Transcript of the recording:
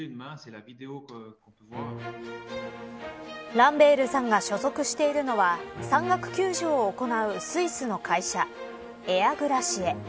ランベールさんが所属しているのは山岳救助を行うスイスの会社エアーグラシエ。